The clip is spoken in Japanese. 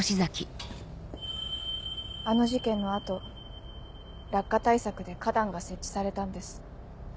あの事件の後落下対策で花壇が設置されたんです。